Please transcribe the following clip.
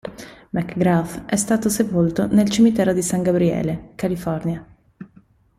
McGrath è stato sepolto nel cimitero di San Gabriele, California.